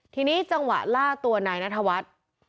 ทีนี้จังหวะล่าตัวนายนัทวัฒน์